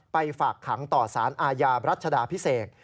ฝากขังต่อสารอาญารัชดาพิเศษ